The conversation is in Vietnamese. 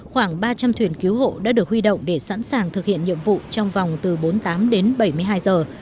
khoảng ba trăm linh thuyền cứu hộ đã được huy động để sẵn sàng thực hiện nhiệm vụ trong vòng từ bốn mươi tám đến bảy mươi hai giờ